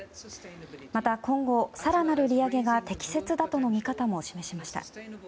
また、今後更なる利上げが適切だとの見方も示しました。